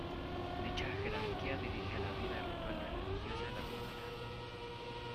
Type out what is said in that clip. Dicha jerarquía dirige la vida ritual y religiosa de la comunidad.